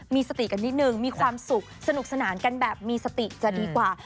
มีสติกันนิดนึงมีความสุขสนุกสนานกันแบบมีสติจะดีกว่า